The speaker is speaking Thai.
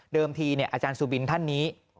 ทีอาจารย์สุบินท่านนี้